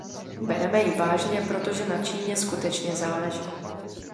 Bereme ji vážně, protože na Číně skutečně záleží.